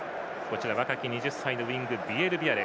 若き２０歳のウイングビエルビアレ。